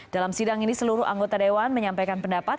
dalam sidang ini seluruh anggota dewan menyampaikan pendapat